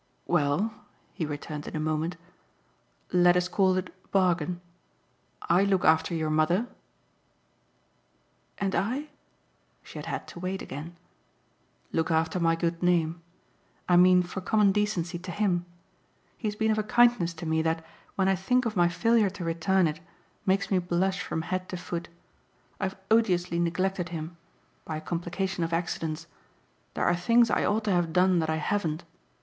"Well," he returned in a moment, "let us call it a bargain. I look after your mother " "And I ?" She had had to wait again. "Look after my good name. I mean for common decency to HIM. He has been of a kindness to me that, when I think of my failure to return it, makes me blush from head to foot. I've odiously neglected him by a complication of accidents. There are things I ought to have done that I haven't.